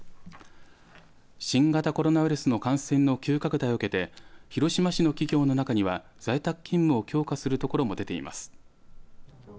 新型コロナウイルスの感染の急拡大を受けて広島市の企業の中には在宅勤務を強化するところも出ています。